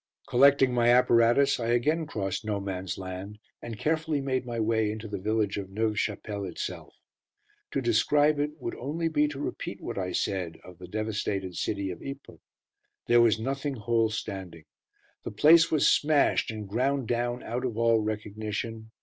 Collecting my apparatus, I again crossed "No Man's Land," and carefully made my way into the village of Neuve Chapelle itself. To describe it would only be to repeat what I said of the devastated city of Ypres. There was nothing whole standing. The place was smashed and ground down out of all recognition.